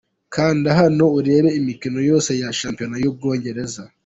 Kanda hano urebe imikino yose ya Shampiyona y’u Bwongereza: